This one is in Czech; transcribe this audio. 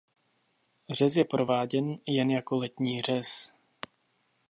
Řez je prováděn jen jako letní řez.